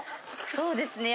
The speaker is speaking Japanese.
そうですね